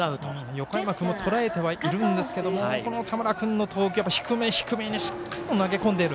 横山君もとらえてはいるんですが田村君の投球が低め低めにしっかりと投げ込んでいる。